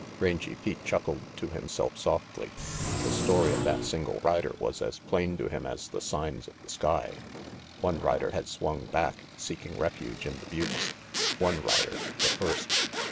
Rangy Pete chuckled to himself softly. The story of that single rider was as plain to him as the signs of the sky. RANGY PETE 63 One rider had swung back, seeking refuge in the buttes one rider, the first.